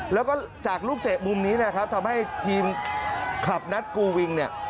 แล้วก็จากลูกเตะมุมนี้นะครับทำให้ทีมคลับนัดกูวิงเนี่ย